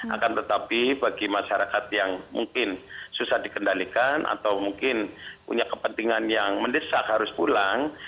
akan tetapi bagi masyarakat yang mungkin susah dikendalikan atau mungkin punya kepentingan yang mendesak harus pulang